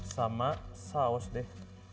sama saus deh